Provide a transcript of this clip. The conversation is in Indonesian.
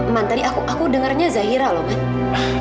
man tadi aku dengarnya zahira loh man